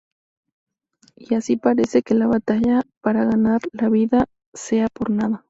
Y así parece que la batalla para ganar la vida sea por nada.